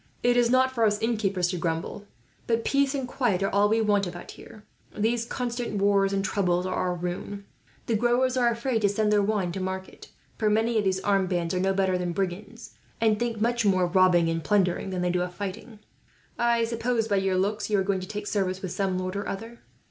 It is not for us innkeepers to grumble, but peace and quiet are all we want, about here. These constant wars and troubles are our ruin. The growers are all afraid to send their wine to market; for many of these armed bands are no better than brigands, and think much more of robbing, and plundering, than they do of fighting. I suppose, by your looks, you are going to take service with some lord or other?"